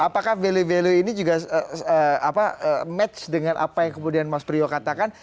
apakah value value ini juga match dengan apa yang kemudian mas priyo katakan